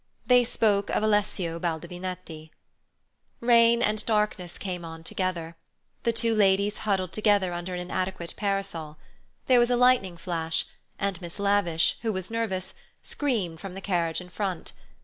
They spoke of Alessio Baldovinetti. Rain and darkness came on together. The two ladies huddled together under an inadequate parasol. There was a lightning flash, and Miss Lavish who was nervous, screamed from the carriage in front.